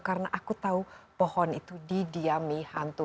karena aku tahu pohon itu didiami hantu